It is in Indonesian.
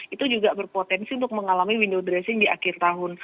itu juga berpotensi untuk mengalami window dressing di akhir tahun